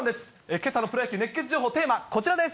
けさのプロ野球熱ケツ情報、テーマ、こちらです。